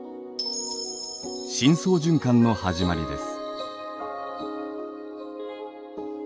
深層循環の始まりです。